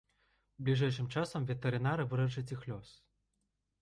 Бліжэйшым часам ветэрынары вырашаць іх лёс.